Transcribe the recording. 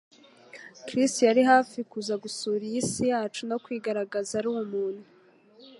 Kristo yari hafi kuza gusura iyi si yacu no kwigaragaza ari umuntu;